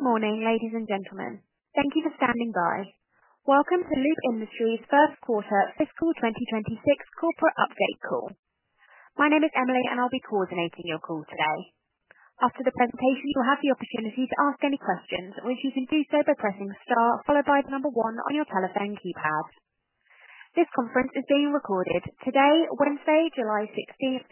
Morning, ladies and gentlemen. Thank you for standing by. Welcome to Loop Industries' first quarter fiscal 2026 corporate update call. My name is Emily, and I'll be coordinating your call today. After the presentation, you'll have the opportunity to ask any questions or issues in doing so by pressing the star followed by the number one on your telephone keypad. This conference is being recorded today, Wednesday, July 16, 2025.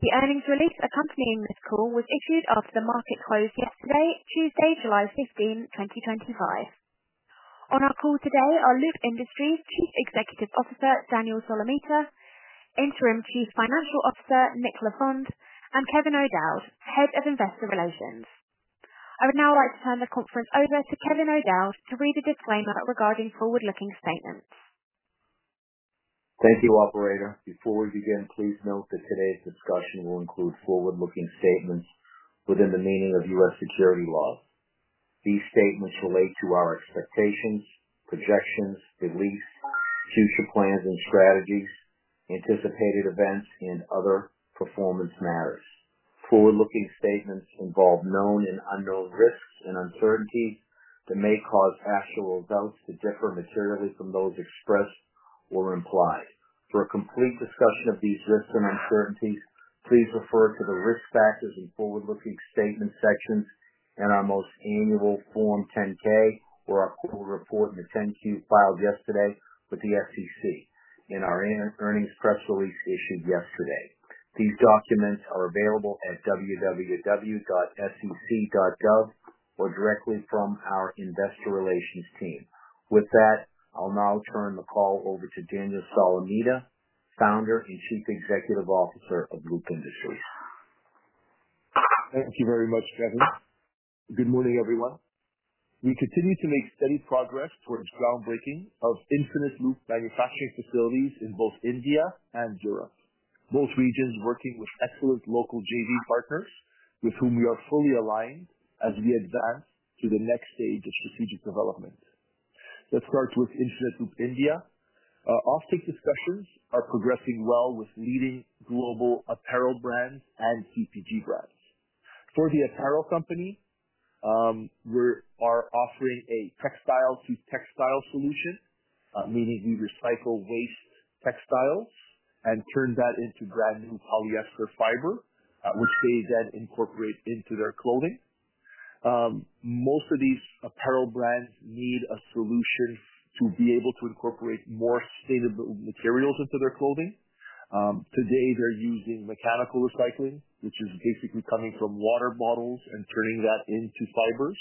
The earnings release accompanying this call was issued after the market closed yesterday, Tuesday, July 15, 2025. On our call today are Loop Industries' Chief Executive Officer, Daniel Solomita, Interim Chief Financial Officer, Nicolas Lafond, and Kevin O'Dowd, Head of Investor Relations. I would now like to turn the conference over to Kevin O'Dowd to read a disclaimer regarding forward-looking statements. Thank you, operator. Before we begin, please note that today's discussion will include forward-looking statements within the meaning of U.S. security law. These statements relate to our expectations, projections, beliefs, future plans and strategies, anticipated events, and other performance matters. Forward-looking statements involve known and unknown risks and uncertainties that may cause actual results to differ materially from those expressed or implied. For a complete discussion of these risks and uncertainties, please refer to the risk factors and forward-looking statements section in our most recent annual Form 10-K, our quarterly report and the 10-Q filed yesterday with the SEC, and our earnings press release issued yesterday. These documents are available at www.sec.gov or directly from our investor relations team. With that, I'll now turn the call over to Daniel Solomita, Founder and Chief Executive Officer of Loop Industries. Thank you very much, Kevin. Good morning, everyone. We continue to make steady progress towards groundbreaking of Infinite Loop manufacturing facilities in both India and Europe, both regions working with excellent local JV partners with whom we are fully aligned as we advance to the next stage of strategic development. Let's start with Infinite Loop India. Our off-take discussions are progressing well with leading global apparel brands and CPG brands. For the apparel company, we are offering a textile-to-textile solution, meaning we recycle waste textiles and turn that into brand new polyester fiber, which they then incorporate into their clothing. Most of these apparel brands need a solution to be able to incorporate more sustainable materials into their clothing. Today, they're using mechanical recycling, which is basically coming from water bottles and turning that into fibers.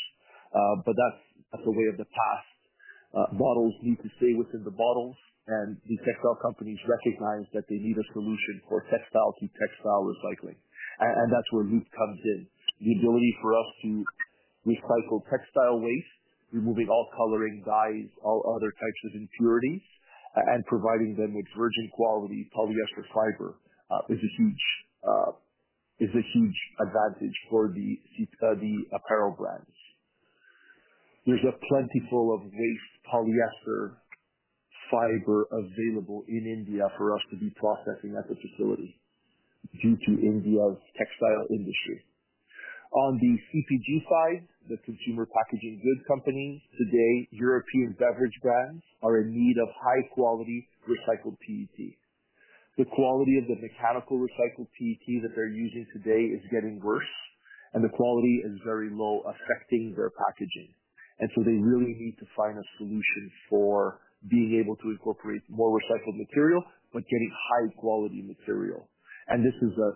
That's the way of the past. Bottles need to stay within the bottle, and the textile companies recognize that they need a solution for textile-to-textile recycling. That's where Loop comes in. The ability for us to recycle textile waste, removing all coloring dyes, all other types of impurities, and providing them with virgin-quality polyester fiber is a huge advantage for the apparel brands. There's a plentiful amount of waste polyester fiber available in India for us to be processing at the facility due to India's textile industry. On the CPG side, the consumer packaged goods companies today, European beverage brands are in need of high-quality recycled PET. The quality of the mechanical recycled PET that they're using today is getting worse, and the quality is very low, affecting their packaging. They really need to find a solution for being able to incorporate more recycled material but getting high-quality material. This is a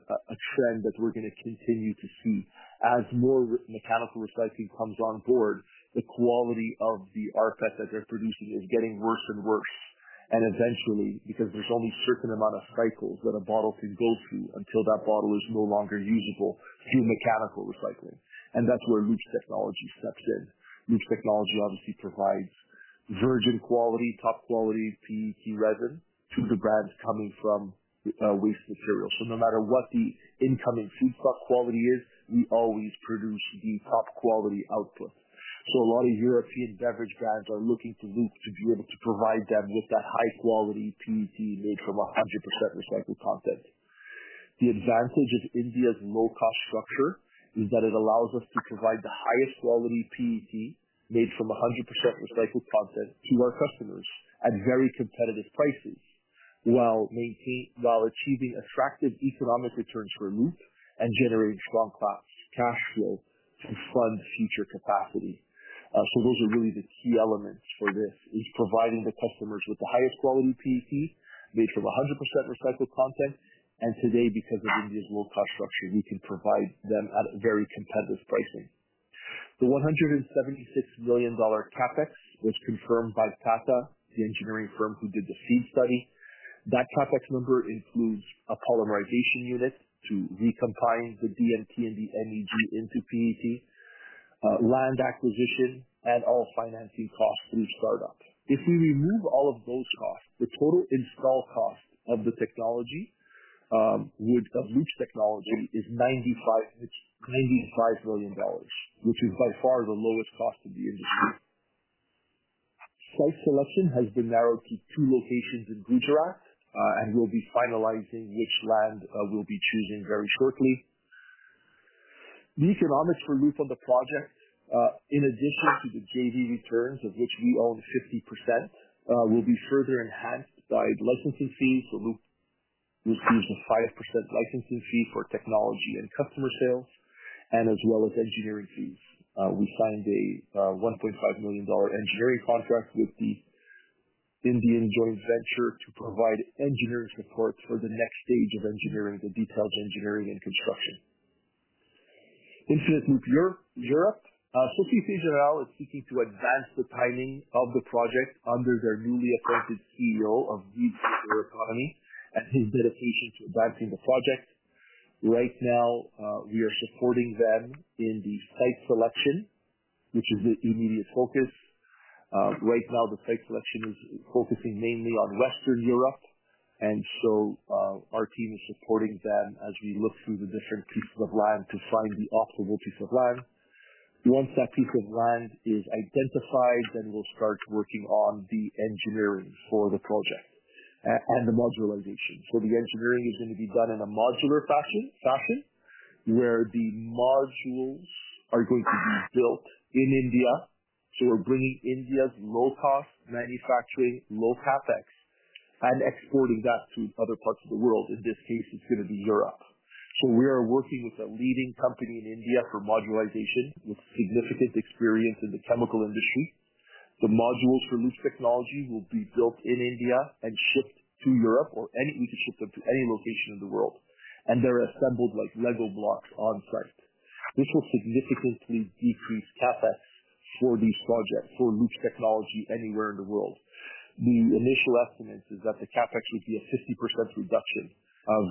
trend that we're going to continue to see. As more mechanical recycling comes on board, the quality of the artifact that they're producing is getting worse and worse. Eventually, because there's only a certain amount of cycles that a bottle can go through until that bottle is no longer usable to do mechanical recycling. That's where Loop's technology steps in. Loop's technology obviously provides very good quality, top-quality PET resin for the brands coming from the waste material. No matter what the incoming feedstock quality is, we always produce the top-quality output. A lot of European beverage brands are looking to Loop to be able to provide them with that high-quality PET made from 100% recycled content. The advantage of India's low-cost structure is that it allows us to provide the highest quality PET made from 100% recycled content to our customers at very competitive prices while achieving attractive economic returns for Loop and generating strong cash flow to fund future capacity. Those are really the key elements for this, providing the customers with the highest quality PET made from 100% recycled content. Today, because of India's low-cost structure, we can provide them at very competitive pricing. The $176 million CapEx was confirmed by Pattem, the engineering firm who did the seed study. That CapEx number includes a polymerization unit to recompile the DMP and the MEG into PET, land acquisition, and all financing costs through startup. If we remove all of those costs, the total install cost of Loop's technology is $95 million, which is by far the lowest cost in the industry. Price selection has been narrowed to two locations in Gujarat, and we'll be finalizing which land we'll be choosing very shortly. The economics for Loop on the project, in addition to the JV returns, of which we own 50%, will be further enhanced by licensing fees for Loop. Loop sees a 5% licensing fee for technology and customer sale, as well as engineering fees. We signed a $1.5 million engineering contract with the Indian joint venture to provide engineering support for the next stage of engineering, the detailed engineering and construction. Infinite Loop Europe, Sofiège is seeking to advance the timing of the project under their newly appointed CEO Yves Bertrand and his dedication to advancing the project. Right now, we are supporting them in the site selection, which is their immediate focus. The site selection is focusing mainly on Western Europe. Our team is supporting them as we look through the different pieces of land to find the optimal piece of land. Once that piece of land is identified, then we'll start working on the engineering for the project and on the modularization. The engineering is going to be done in a modular fashion, where the modules are going to be built in India. We're bringing India's low-cost manufacturing, low CapEx, and exporting that to other parts of the world. In this case, it's going to be Europe. We are working with a leading company in India for modularization with significant experience in the chemical industry. The modules for Loop's technology will be built in India and shipped to Europe, or we can ship them to any location in the world. They're assembled like Lego blocks on site. It will significantly increase the CapEx efficiency for the project for Loop's technology anywhere in the world. The initial estimate is that the CapEx would be a 50% reduction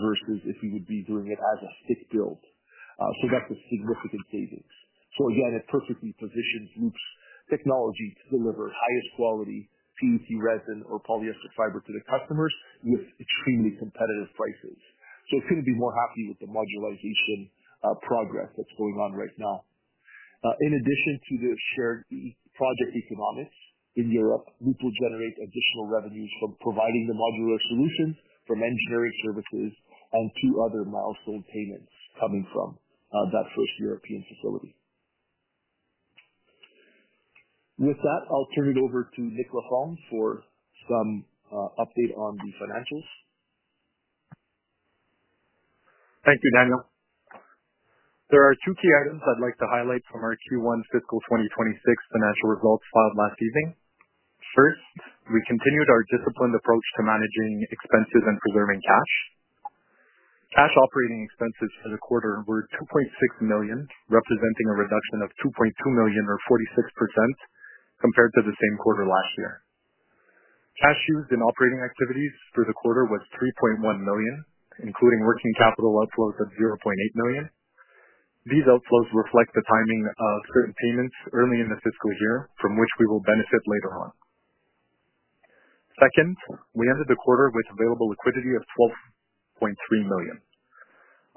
versus if we would be doing it as a fixed build. That's a significant savings. Again, a perfectly provisioned Loop technology to deliver high-end quality PET resin or polyester fiber to the customers with extremely competitive prices. I'm more happy with the modularization progress that's going on right now. In addition to the shared project economics in Europe, Loop will generate additional revenue from providing the modular solution from engineering services and two other milestone payments coming from that first European facility. With that, I'll turn it over to Nicolas Lafond for some update on the financials. Thank you, Daniel. There are two key items I'd like to highlight from our Q1 fiscal 2026 financial results filed last evening. First, we continued our disciplined approach to managing expenses and preserving cash. Cash operating expenses for the quarter were $2.6 million, representing a reduction of $2.2 million or 46% compared to the same quarter last year. Cash used in operating activities for the quarter was $3.1 million, including working capital outflows of $0.8 million. These outflows reflect the timing of certain payments early in the fiscal year from which we will benefit later on. Second, we ended the quarter with available liquidity of $12.3 million.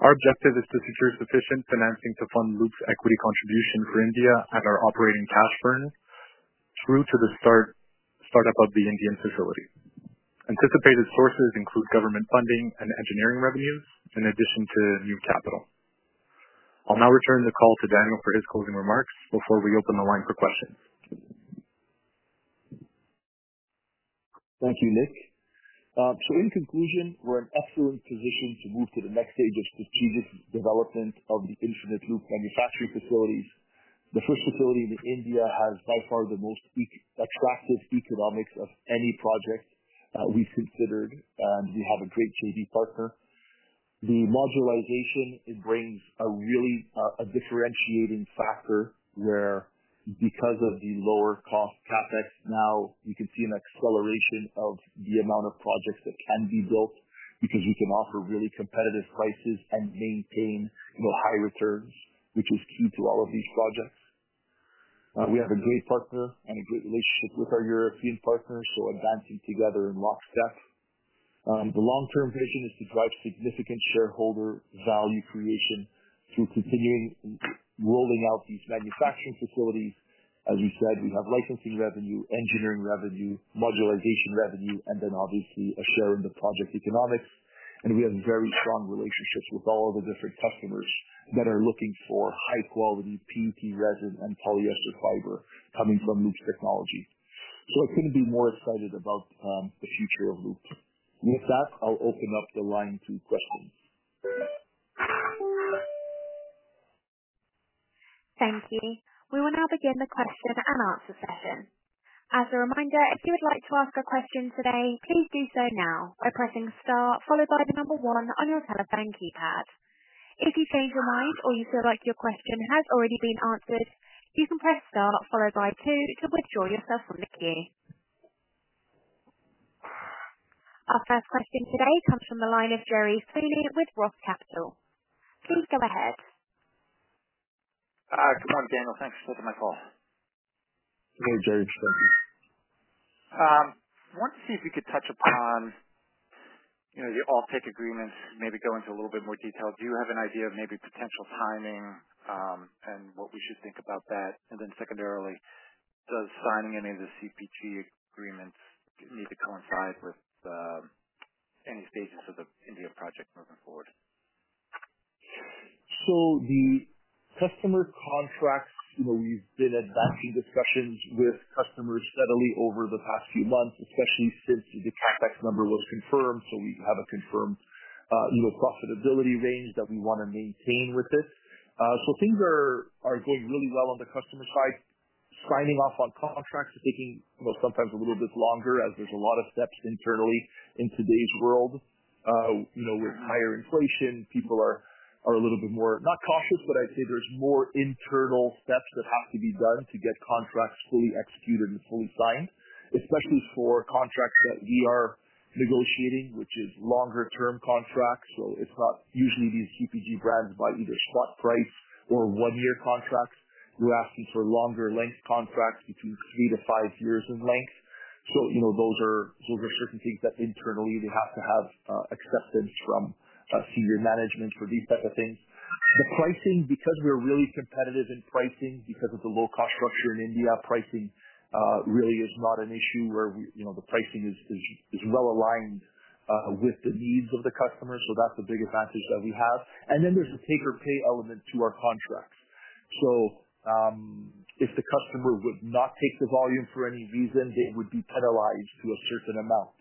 Our objective is to secure sufficient financing to fund Loop's equity contribution for India and our operating cash burn through to the startup of the Indian facility. Anticipated sources include government funding and engineering revenues in addition to new capital. I'll now return the call to Daniel for his closing remarks before we open the line for questions. Thank you, Nick. In conclusion, we're in excellent positions to move to the next stage of strategic development of the Infinite Loop manufacturing facilities. The first facility in India has by far the most attractive economics of any project that we've considered. We have a great JV partner. The modularization brings a really differentiating factor where, because of the lower cost CapEx, now you can see an acceleration of the amount of projects that can be built because we can offer really competitive prices and maintain low high returns, which is key to all of these projects. We have a great partner and a great relationship with our European partners, advancing together in lockstep. The long-term vision is to drive significant shareholder value creation through continuing rolling out these manufacturing facilities. As we said, we have licensing revenue, engineering revenue, modularization revenue, and obviously a share in the project economics. We have very strong relationships with all of the different customers that are looking for high-quality PET resin and polyester fiber coming from Loop's technology. I think we'll be more excited about the future of Loop. With that, I'll open up the line to questions. Thank you. We will now begin the question and answer session. As a reminder, if you would like to ask a question today, please do so now by pressing star followed by the number one on your telephone keypad. If you change your mind or you feel like your question has already been answered, you can press star followed by two to withdraw yourself from the queue. Our first question today comes from the line of Gerard Sweeney with ROTH Capital. Please go ahead. Good morning, Daniel. Thanks for taking my call. Good morning, Gerard. I wanted to see if we could touch upon the off-take agreements, maybe go into a little bit more detail. Do you have an idea of maybe potential timing, and what we should think about that? Secondarily, does signing any of the CPG agreements need to coincide with any stages of the India project moving forward? The customer contracts, you know, we've been advancing discussions with customers steadily over the past few months, especially since the CapEx number was confirmed. We have a confirmed, you know, profitability range that we want to maintain with this. Things are going really well on the customer side. Signing off on contracts is taking, you know, sometimes a little bit longer as there's a lot of steps internally in today's world. You know, with higher inflation, people are a little bit more, not cautious, but I'd say there's more internal steps that have to be done to get contracts fully executed and fully signed, especially for contracts that we are negotiating, which are longer-term contracts. It's not usually these CPG brands buy either spot price or one-year contracts. We're asking for longer length contracts between three to five years in length. Those are certain things that internally we have to have acceptance from senior management for these types of things. The pricing, because we're really competitive in pricing because of the low-cost structure in India, really is not an issue where we, you know, the pricing is well aligned with the needs of the customers. That's a big advantage that we have. There's a take-or-pay element to our contracts. If the customer would not take the volume for any reason, they would be penalized to a certain amount.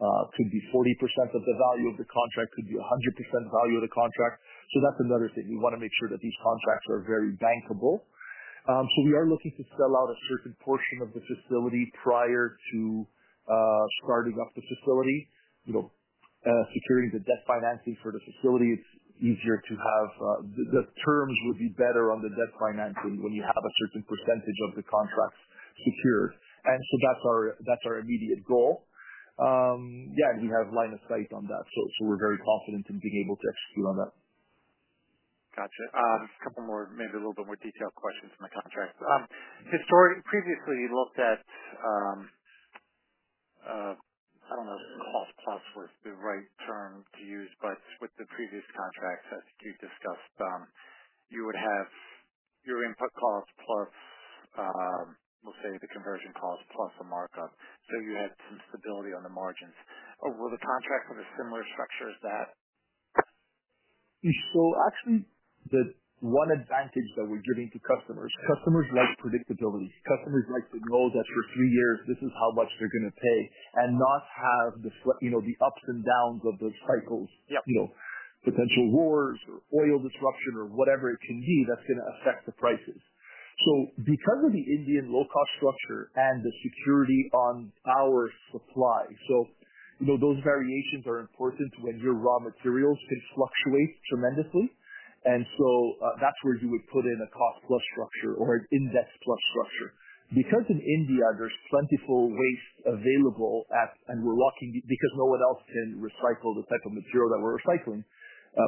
It could be 40% of the value of the contract, could be 100% value of the contract. That's another thing. You want to make sure that these contracts are very bankable. We are looking to sell out a certain portion of the facility prior to starting up the facilities. Securing the debt financing for the facility is easier to have. The terms would be better on the debt financing when you have a certain percentage of the contracts secure. That's our immediate goal. Yeah, and we have line of sight on that. We're very confident in being able to execute on that. Gotcha. Just a couple more, maybe a little bit more detailed questions from the contractor. Previously, you looked at, I don't know, cost plus for the right term to use, but with the previous contracts as you discussed, you would have your input cost plus, we'll say the conversion cost plus a markup. So you have some stability on the margins. Will the contract have a similar structure as that? The one advantage that we're giving to customers, customers like predictability. Customers like to know that for three years, this is how much they're going to pay and not have the ups and downs of the cycles. Potential wars or oil disruption or whatever it can be that's going to affect the prices. Because of the Indian low-cost structure and the security on our supply, those variations are important when your raw materials can fluctuate tremendously. That's where you would put in a cost plus structure or an index plus structure. In India, there's plentiful waste available, and we're locking it because no one else can recycle the type of material that we're recycling.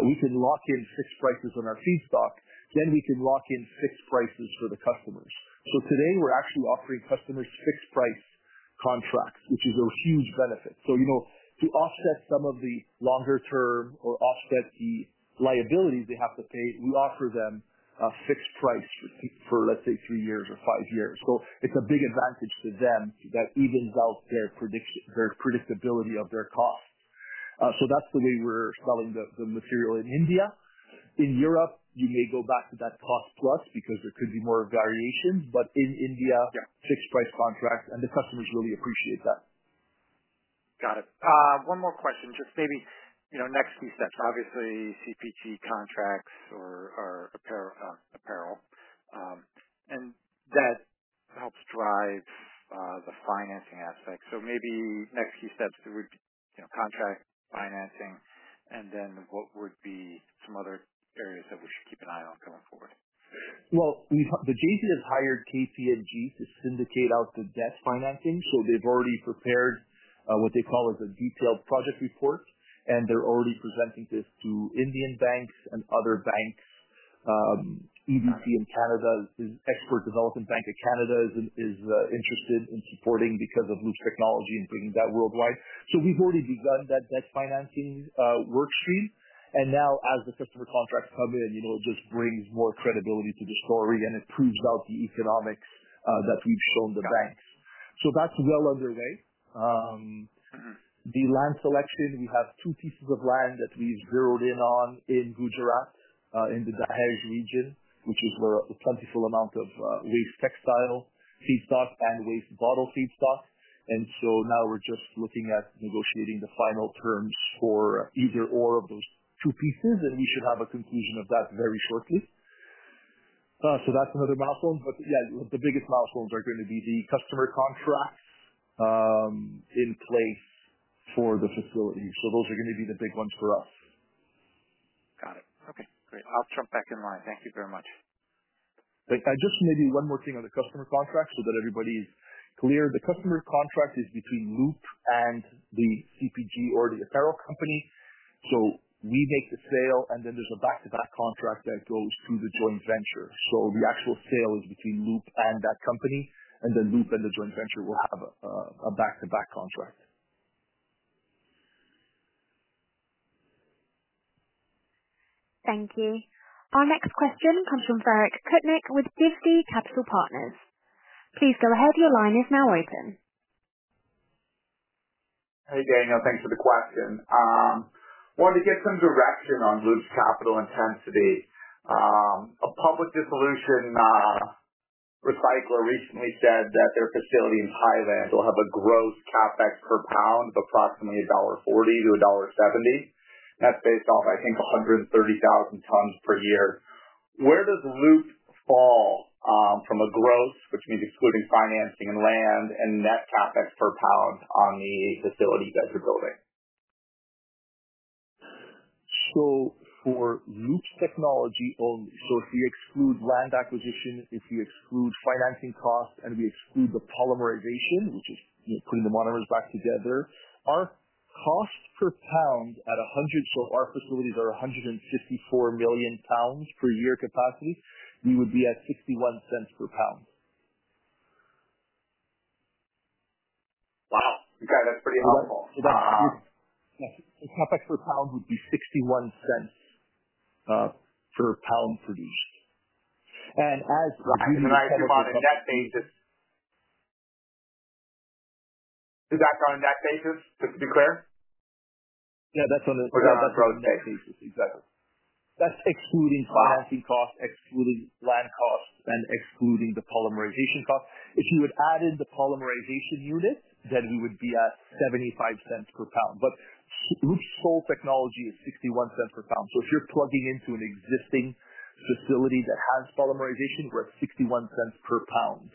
We can lock in fixed prices on our feedstock. Then we can lock in fixed prices for the customers. Today, we're actually offering customers fixed price contracts, which is a huge benefit. To offset some of the longer-term or offset the liability they have to pay, we offer them a fixed price for, let's say, three years or five years. It's a big advantage for them that it involves their predictability of their cost. That's the way we're selling the material in India. In Europe, you may go back to that cost plus because there could be more variations. In India, fixed price contracts, and the customers really appreciate that. Got it. One more question. Just maybe, you know, next few steps. Obviously, CPG contracts or apparel, and that helps drive the financing aspect. Maybe next few steps would, you know, contract financing. What would be some other areas that we should keep an eye on going forward? The JV has hired KPMG to syndicate out the debt financing. They've already prepared what they call a detailed project report, and they're already presenting this to Indian banks and other banks. EDC in Canada, the Export Development Canada, is interested in supporting because of Loop's technology and bringing that worldwide. We've already begun that debt financing worksheet. As the customer contracts come in, this brings more credibility to the story and it proves the economics that we've shown the banks. That's well underway. The land selection, we have two pieces of land that we zeroed in on in Gujarat, in the Dahej region, which is where a plentiful amount of waste textile feedstock and waste bottle feedstock is available. Now we're just looking at negotiating the final terms for either of those two pieces, and we should have a conclusion of that very shortly. That's another milestone. The biggest milestones are going to be the customer contracts in place for the facilities. Those are going to be the big ones for us. Got it. Okay, great. I'll jump back in line. Thank you very much. Just maybe one more thing on the customer contracts so that everybody's clear. The customer contract is between Loop and the CPG or the apparel company. We make the sale, and then there's a back-to-back contract that goes through the joint venture. The actual sale is between Loop and that company, and then Loop and the joint venture will have a back-to-back contract. Thank you. Our next question comes from Frederick Nick with ROTH Capital Partners. Please go ahead. Your line is now open. Hey, Daniel. Thanks for the question. I wanted to get some direction on Loop's capital intensity. A public dissolution recycler recently said that their facility in Thailand will have a gross CapEx per pound of approximately $1.40-$1.70. That's based off, I think, 130,000 tons per year. Where does Loop fall, from a gross, which means excluding financing and land, and net CapEx per pound on the facility that they're building? For Loop's technology, if you exclude land acquisition, financing costs, and we exclude the polymerization, which is putting the monomers back together, our costs per pound at 100, our facilities are 154 million pounds per year capacity. We would be at $0.61 per pound. Wow, okay. That's pretty high. The CapEx per pound would be $0.61 per pound produced. As we've analyzed, the bottom net basis is that on a net basis? Just to be clear. Yeah, that's on a net basis. Exactly. That's excluding financing costs, excluding land costs, and excluding the polymerization costs. If you would add in the polymerization units, then we would be at $0.75 per pound. Loop's full technology is $0.61 per pound. If you're plugging into an existing facility that has polymerization, we're at $0.61 per pound.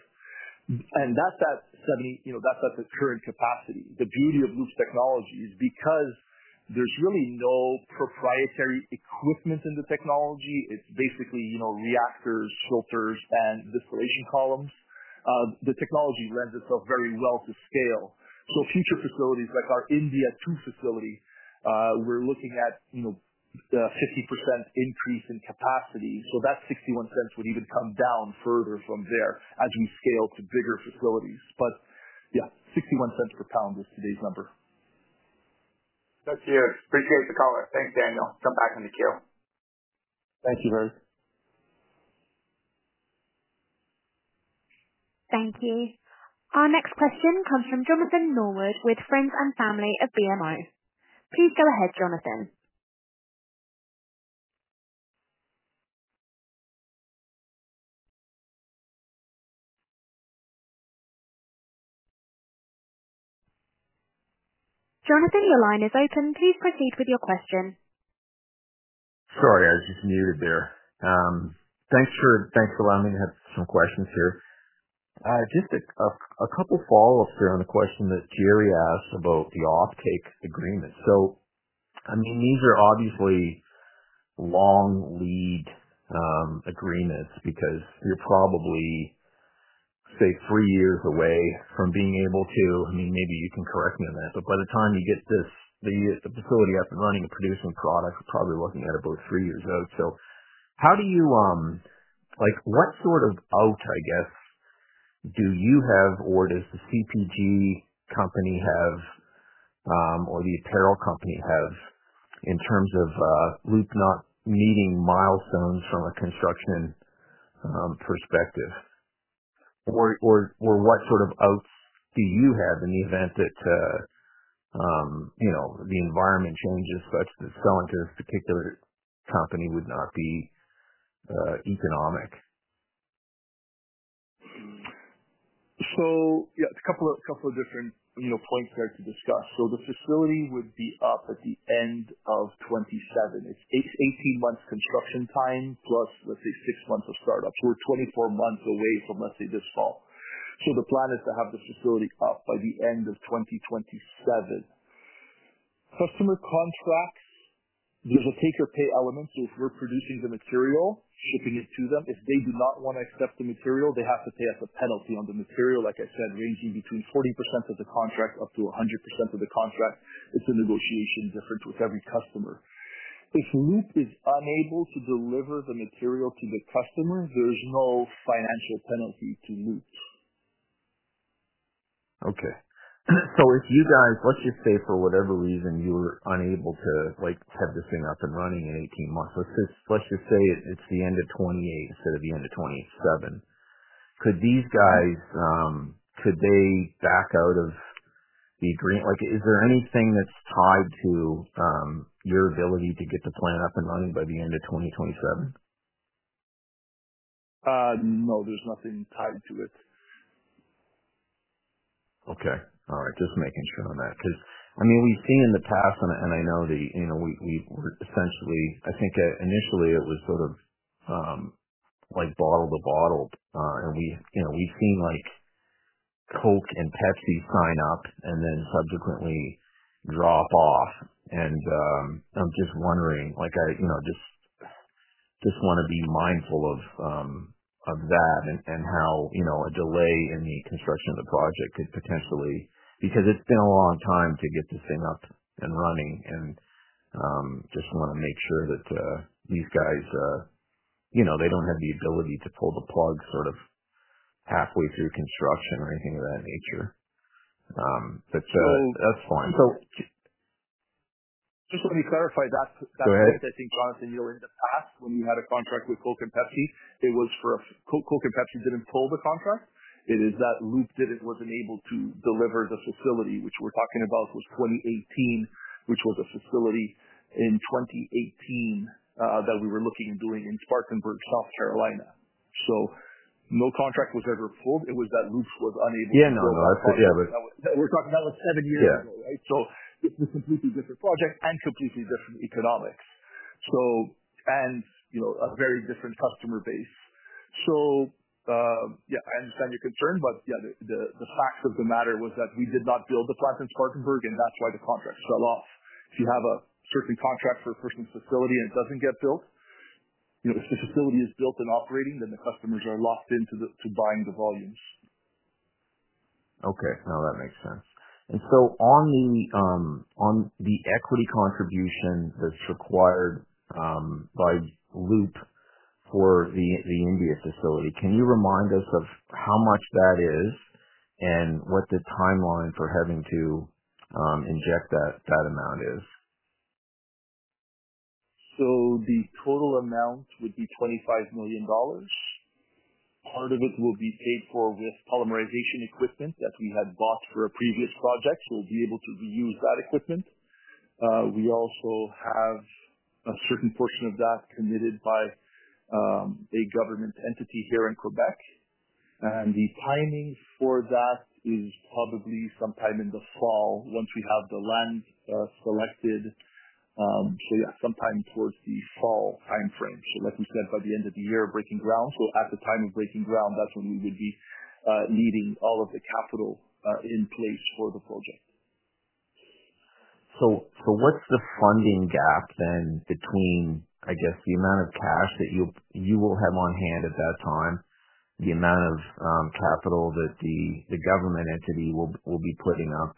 That's at 70, you know, that's at the current capacity. The beauty of Loop's technology is because there's really no proprietary equipment in the technology. It's basically, you know, reactors, filters, and distillation columns. The technology lends itself very well to scale. Future facilities like our India 2 facility, we're looking at, you know, a 50% increase in capacity. That $0.61 would even come down further from there as we scale to bigger facilities. Yeah, $0.61 per pound is today's number. That's huge. Appreciate the call. Thanks, Daniel. Jump back on the queue. Thank you, Fady. Thank you. Our next question comes from Jonathan Norwood with Friends and Family of VMO. Please go ahead, Jonathan. Jonathan, your line is open. Please proceed with your question. Sorry, I was just muted there. Thanks for allowing me to have some questions here. Just a couple of follow-ups here on a question that Jerry asked about the off-take agreements. These are obviously long lead agreements because you're probably, say, three years away from being able to, I mean, maybe you can correct me on that, but by the time you get the facility up and running and producing products, it probably wasn't at about three years out. How do you, like what sort of oath, I guess, do you have or does the CPG company have, or the apparel company have in terms of Loop not meeting milestones from a construction perspective? Or what sort of oaths do you have in the event that, you know, the environment changes such that selling to a particular company would not be economic. There are a couple of different points there to discuss. The facility would be up at the end of 2027. It's 18 months construction time, plus, let's say, six months of startup. We're 24 months away from, let's say, this fall. The plan is to have the facility up by the end of 2027. Customer contracts, there's a taker pay element. If we're producing the material, shipping it to them, if they do not want to accept the material, they have to pay us a penalty on the material, like I said, ranging between 40% of the contract up to 100% of the contract. It's a negotiation difference with every customer. If Loop is unable to deliver the material to the customer, there is no financial penalty to Loop. Okay. If you guys, let's just say for whatever reason, you're unable to have this thing up and running in 18 months, let's just say it's the end of 2028 instead of the end of 2027. Could these guys, could they back out of the agreement? Is there anything that's tied to your ability to get the plant up and running by the end of 2027? No, there's nothing tied to it. Okay. All right. Just making sure on that. Because, I mean, we've seen in the past, and I know that, you know, we were essentially, I think initially it was sort of like bottle to bottle. We've seen like Coke and Pepsi sign up and then subsequently drop off. I'm just wondering, like I just want to be mindful of that and how a delay in the construction of the project could potentially, because it's been a long time to get this thing up and running. I just want to make sure that these guys, you know, they don't have the ability to pull the plug sort of halfway through construction or anything of that nature. That's fine. I think we'll be clarified that that processing plans in your in the past when you had a contract with Coke and Pepsi, it was for a Coke and Pepsi didn't pull the contract. It is that Loop didn't wasn't able to deliver the facility, which we're talking about was 2018, which was a facility in 2018, that we were looking at doing in Spartanburg, South Carolina. No contract was ever pulled. It was that Loop was unable. Yeah, no, I thought it was. We're talking about seven years ago, right? It's a completely different project and completely different economics, and, you know, a very different customer base. Yeah, the fact of the matter was that we did not build the plant in Spartanburg, and that's why the contract fell off. If you have a certain contract for a certain facility and it doesn't get built, if the facility is built and operating, then the customers are locked into buying the volumes. Okay. No, that makes sense. On the equity contributions that's required by Loop for the India facility, can you remind us of how much that is and what the timeline for having to inject that amount is? The total amount would be $25 million. Part of it will be paid for with polymerization equipment that we had bought for a previous project. We'll be able to reuse that equipment. We also have a certain portion of that committed by a government entity here in Quebec. The timing for that is probably sometime in the fall once we have the land selected, so yeah, sometime towards the fall timeframe. Like we said, by the end of the year of breaking ground. At the time of breaking ground, that's when we would be needing all of the capital in place for the project. What's the funding gap then between, I guess, the amount of cash that you'll have on hand at that time, the amount of capital that the government entity will be putting up,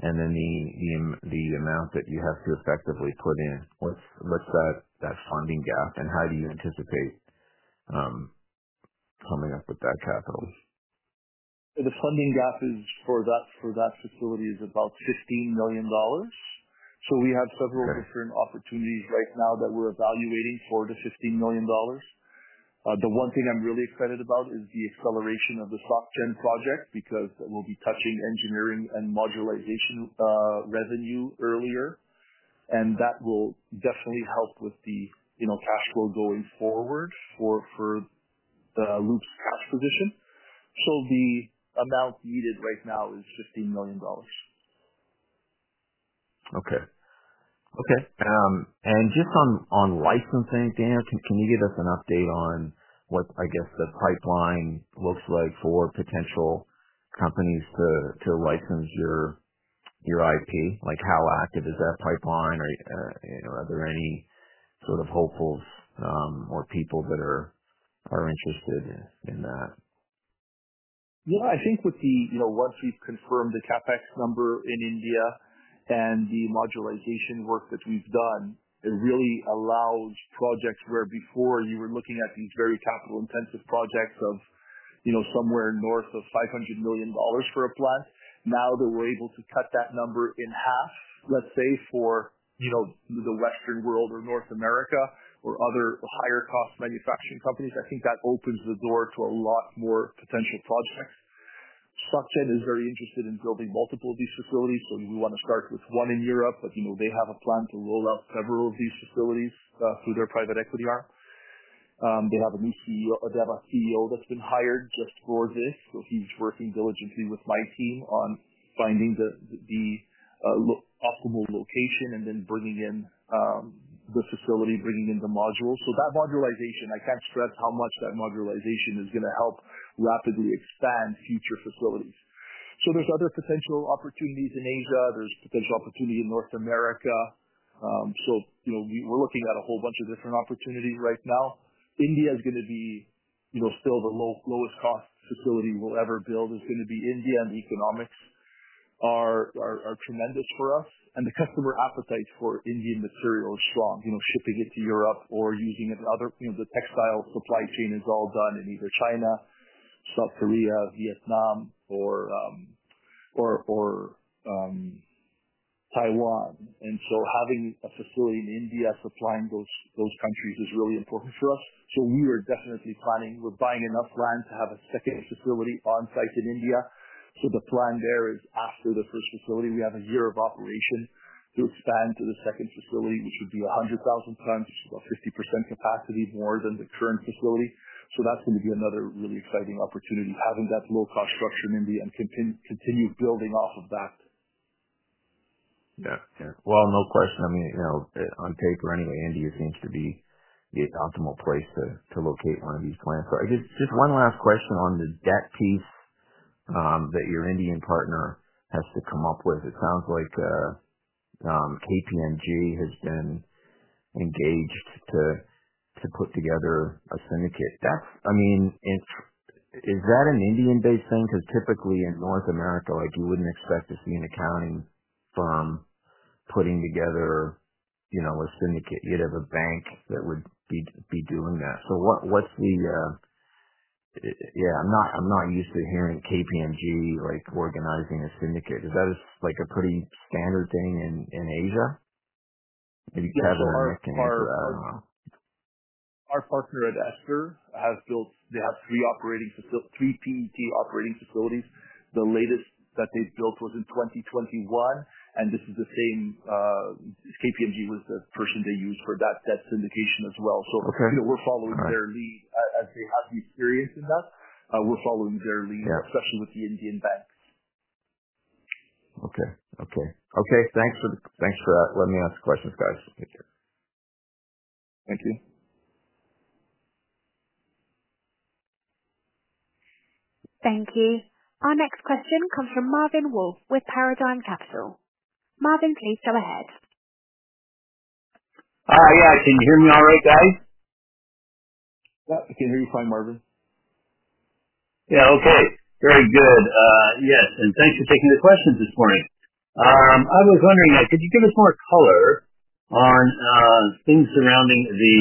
and then the amount that you have to effectively put in? What's that funding gap, and how do you anticipate coming up with that capital? The funding gap for that facility is about $15 million. We have several different opportunities right now that we're evaluating for the $15 million. One thing I'm really excited about is the acceleration of the Sofiège project because we'll be touching engineering and modularization, revenue earlier. That will definitely help with the cash flow going forward for Loop's past position. The amount needed right now is $15 million. Okay. Okay. On licensing, Daniel, can you give us an update on what the pipeline looks like for potential companies to license your IP? How active is that pipeline? Are there any hopefuls or people that are interested in that? Yeah, I think with the, you know, once we've confirmed the CapEx number in India and the modularization work that we've done, it really allows projects where before you were looking at these very capital-intensive projects of, you know, somewhere north of $500 million for a plus. Now that we're able to cut that number in half, let's say, for, you know, the Western world or North America or other higher-cost manufacturing companies, I think that opens the door to a lot more potential projects. Sofiège is very interested in building multiple of these facilities, but we want to start with one in Europe. They have a plan to roll out several of these facilities through their private equity arm. They have a new CEO, a dedicated CEO that's been hired just for this. He's working diligently with my team on finding the optimal location and then bringing in the facility, bringing in the module. That modularization, I can't stress how much that modularization is going to help rapidly expand future facilities. There are other potential opportunities in Asia. There's potential opportunity in North America. We're looking at a whole bunch of different opportunities right now. India is going to be still the lowest cost facility we'll ever build. It's going to be India, and the economics are tremendous for us. The customer appetite for Indian material is strong. Shipping it to Europe or using it in other, you know, the textile supply chain is all done in either China, South Korea, Vietnam, or Taiwan. Having a facility in India supplying those countries is really important for us. We are definitely planning, we're buying enough land to have a second facility on-site in India. The plan there is after the first facility, we have a year of operation to expand to the second facility. We could do 100,000 tons, about 50% capacity more than the current facility. That's going to be another really exciting opportunity to have that low-cost structure in India and continue building off of that. No question. I mean, on paper, India seems to be the optimal place to locate one of these plants. I guess just one last question on the debt piece that your Indian partner has to come up with. It sounds like KPMG has been engaged to put together a syndicate. That's, I mean, is that an Indian-based thing? Typically in North America, you wouldn't expect to see an accounting firm putting together a syndicate. You'd have a bank that would be doing that. I'm not used to hearing KPMG organizing a syndicate. Is that a pretty standard thing in Asia? Maybe Kevin will know to answer that. Our partner at Ester has built, they have three operating facilities, three PET operating facilities. The latest that they built was in 2021. This is the same, KPMG was the person they used for that debt syndication as well. We're following their lead. I'd say to be serious in that. We're following their lead, especially with the Indian banks. Okay. Thanks for that. Let me ask the questions, guys. Take care. Thank you. Thank you. Our next question comes from Marvin Wolff with Paradigm Capital. Marvin, please go ahead. All right. Can you hear me all right, guys? Yeah, I can hear you fine, Marvin. Yeah, okay. Very good. Yes, and thanks for taking the question this morning. I was wondering, could you give us more color on things surrounding the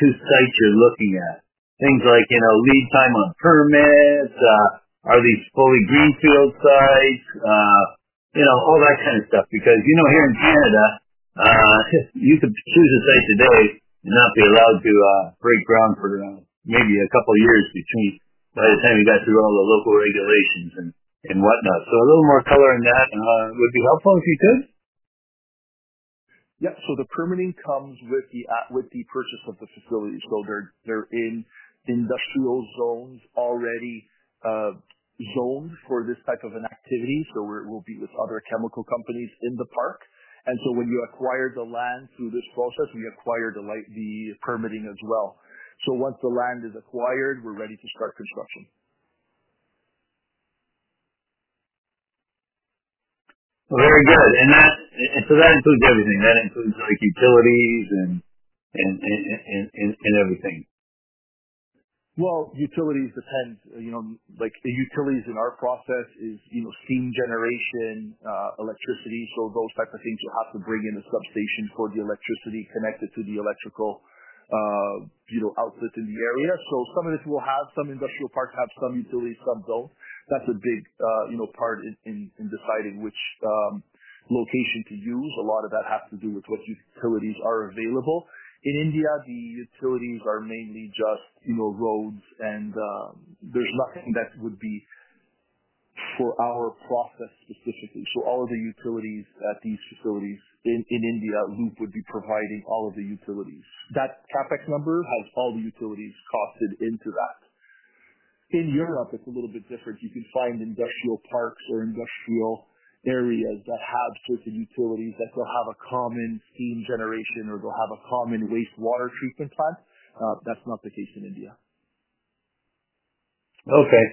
two sites you're looking at? Things like, you know, lead time on permits, are these fully greenfield sites, you know, all that kind of stuff. Here in Canada, you could close a site today and not be allowed to break ground for maybe a couple of years by the time you got through all the local regulations and whatnot. A little more color on that would be helpful if you could. Yep. The permitting comes with the purchase of the facility. They're in industrial zones already, zoned for this type of an activity. We'll be with other chemical companies in the park. When you acquire the land through this process, we acquire the permitting as well. Once the land is acquired, we're ready to start constructing. Oh, very good. That includes everything. That includes utilities and everything. Utilities depend, you know, like the utilities in our process is, you know, steam generation, electricity. Those types of things, you have to bring in a substation for the electricity, connected to the electrical, you know, output in the area. Some industrial parks have some utilities, some don't. That's a big part in deciding which location to use. A lot of that has to do with what utilities are available. In India, the utilities are mainly just, you know, roads, and there's nothing that would be for our process specifically. All of the utilities at these facilities in India, Loop would be providing all of the utilities. That CapEx number has all the utilities costed into that. In Europe, it's a little bit different. You can find industrial parks or industrial areas that have certain utilities that will have a common steam generation or they'll have a common wastewater treatment plant. That's not the case in India. Okay.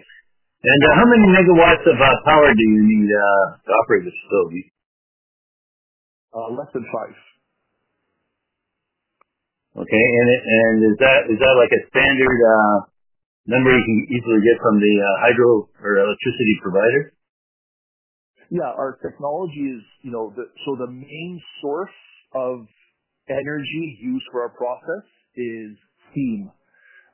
How many megawatts of power do you need to operate the facility? Less than five. Okay. Is that like a standard number you can easily get from the hydro or electricity provider? Yeah. Our technology is, you know, the main source of energy used for our process is steam.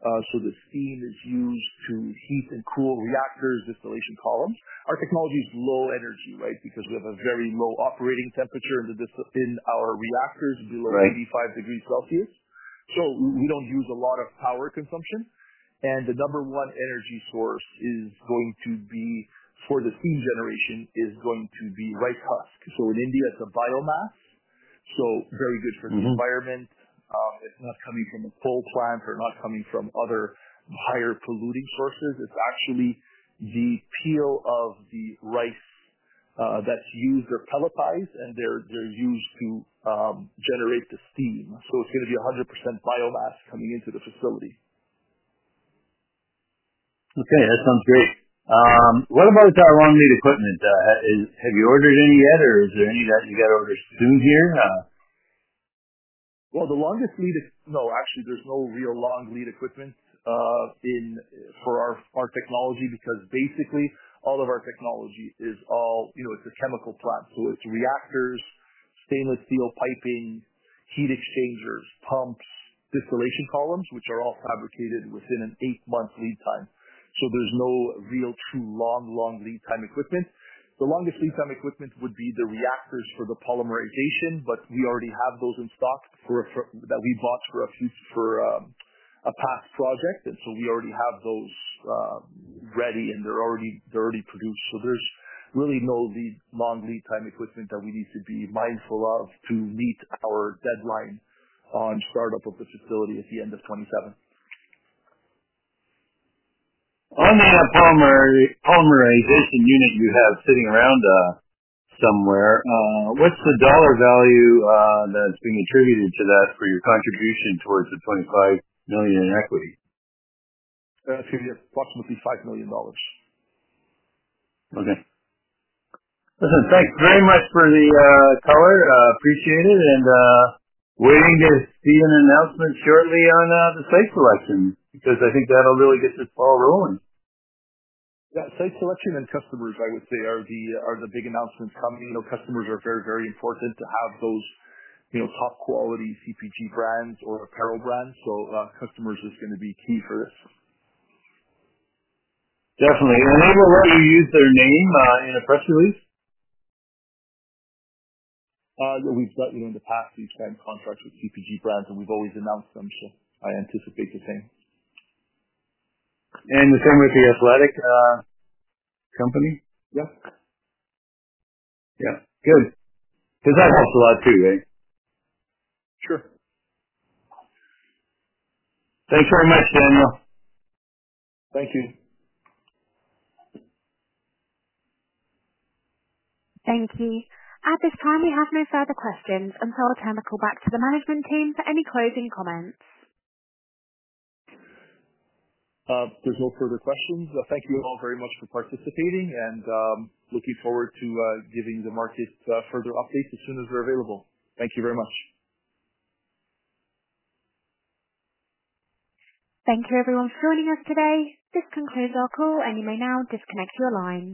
The steam is used to heat and cool reactors, distillation column. Our technology is low energy, right, because we have a very low operating temperature in our reactor to be like 85 degrees Celsius. We don't use a lot of power consumption. The number one energy source for the steam generation is going to be rice husk. In India, it's a biomass, so very good for the environment. It's not coming from a coal plant or from other higher polluting sources. It's actually the peel of the rice that's used, or calippies, and they're used to generate the steam. It's going to be 100% biomass coming into the facility. Okay. That sounds great. What about the iron lead equipment? Have you ordered any yet, or is there any that you have to order soon here? There is no real long lead equipment for our technology because basically, all of our technology is a chemical plant. It's reactors, stainless steel piping, heat exchangers, pumps, distillation columns, which are all fabricated within an eight-month lead time. There is no real true long lead time equipment. The longest lead time equipment would be the reactors for the polymerization, but we already have those in stock that we bought for a past project. We already have those ready, and they're already produced. There is really no long lead time equipment that we need to be mindful of to meet our deadline on startup of the facility at the end of 2027. On the polymerization unit you have sitting around somewhere, what's the dollar value that's being attributed to that for your contribution towards the $25 million in equity? It's approximately $5 million. Okay. Listen, thanks very much for the color. I appreciate it. Waiting to see an announcement shortly on the site selection because I think that'll really get this ball rolling. Yeah. Site selection and customers, I would say, are the big announcements coming. You know, customers are very, very important to have those, you know, top-quality CPG brands or apparel brands. Customers are just going to be key for this. Definitely. Remember where you used their name in a press release? We've got, you know, in the past, we've signed contracts with CPG brands, and we've always announced them. I anticipate the same. it the same with the athletic company? Yeah. Yeah, good, because that helps a lot too, right? Sure. Thanks very much, Daniel. Thank you. Thank you. At this time, we have no further questions. At this time, I'll turn the call back to the management team for any closing comments. are no further questions. Thank you all very much for participating, and looking forward to giving the markets further updates as soon as we're available. Thank you very much. Thank you, everyone, for joining us today. This concludes our call, and you may now disconnect your line.